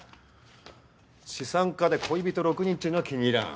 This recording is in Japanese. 資産家で恋人６人ってのが気に入らん。